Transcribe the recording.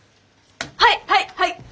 はいはいはい！